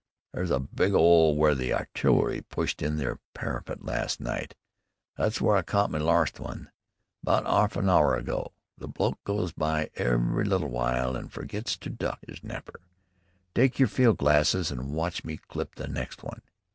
"There's a big 'ole w'ere the artill'ry pushed in their parapet larst night. That's w'ere I caught me larst one, 'bout a 'arf hour ago. A bloke goes by every little w'ile an' fergets to duck 'is napper. Tyke yer field glasses an' watch me clip the next one.